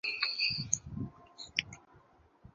该党的总部位于雷克雅未克。